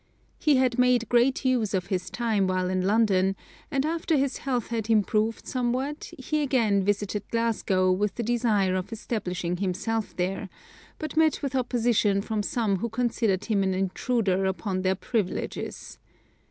He had made great use of his time while in London, and after his health had improved somewhat he again visited Glasgow with the desire of establishing himself there, but met with opposition from some who considered him an intruder upon their privileges.